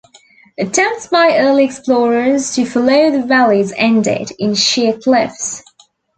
Attempts by early explorers to follow the valleys ended in sheer cliffs.